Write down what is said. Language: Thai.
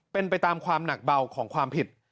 เป็นไปตามความหนักเบาของความผิด